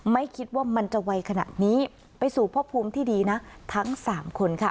ไม่คิดว่ามันจะไวขนาดนี้ไปสู่พระภูมิที่ดีนะทั้งสามคนค่ะ